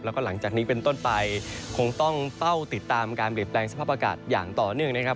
แล้วก็หลังจากนี้เป็นต้นไปคงต้องเฝ้าติดตามการเปลี่ยนแปลงสภาพอากาศอย่างต่อเนื่องนะครับ